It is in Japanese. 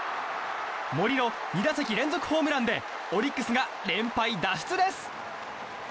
森の２打席連続ホームランでオリックスが連敗脱出です。